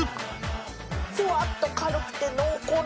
フワッと軽くて濃厚な。